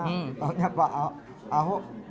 ternyata pak ahok